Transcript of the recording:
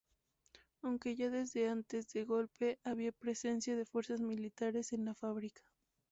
Aunque ya desde antes del Golpe había presencia de fuerzas militares en la fábrica.